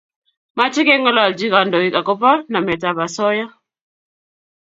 Mache kengalolchi kandoik akobo namet ab asoya